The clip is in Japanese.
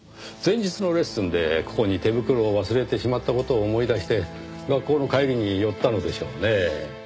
前日のレッスンでここに手袋を忘れてしまった事を思い出して学校の帰りに寄ったのでしょうねぇ。